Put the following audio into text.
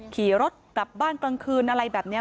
ขี่รถกลับบ้านกลางคืนอะไรแบบนี้